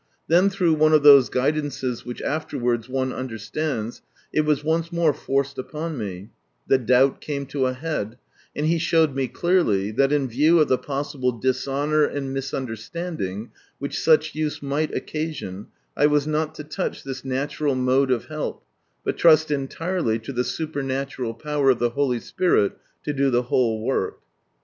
Then through one of those guidances which afterwards one understands, it was once more forced upon me ; the doubt came to a head, and He showed me clearly that, in view of the possible dishonour and mi^>unde^sta^di^g which such use might occasion, I was not to touch this natural mode of " help," but trust entirely to the supernatural power of the Holy Spirit tO'do the whole work.